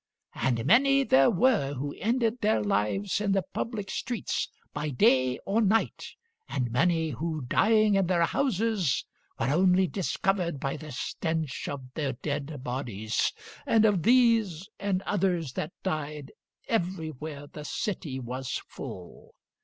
And many there were who ended their lives in the public streets by day or night, and many who, dying in their houses, were only discovered by the stench of their dead bodies; and of these and others that died everywhere the city was full.